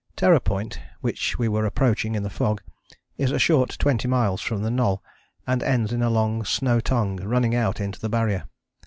Terror Point, which we were approaching in the fog, is a short twenty miles from the Knoll, and ends in a long snow tongue running out into the Barrier.